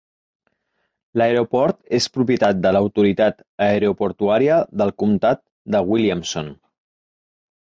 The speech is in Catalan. L"aeroport és propietat de l"Autoritat aeroportuària del comtat de Williamson.